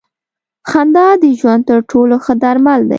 خندا د ژوند تر ټولو ښه درمل دی.